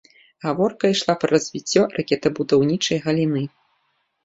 Гаворка ішла пра развіццё ракетабудаўнічай галіны.